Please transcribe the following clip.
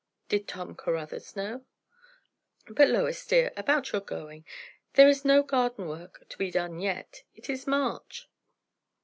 Did Tom Caruthers know? "But, Lois, my dear, about your going There is no garden work to be done yet. It is March."